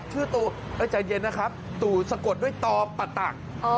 ชื่อตู่ใจเย็นนะครับตู่สะกดด้วยตอปะตัก